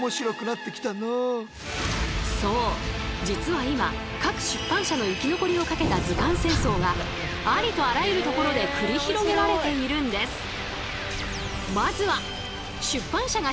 実は今各出版社の生き残りをかけた図鑑戦争がありとあらゆるところで繰り広げられているんです。